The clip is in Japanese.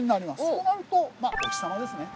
そうなるとお日様ですね